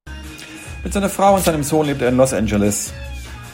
Mit seiner Frau und seinem Sohn lebt er in Los Angeles.